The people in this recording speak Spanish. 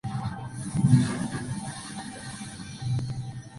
Este enfoque lógico es la base de los actuales sistemas Bob Bradshaw.